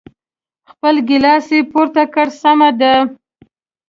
خپل ګیلاس یې پورته کړ، سمه ده.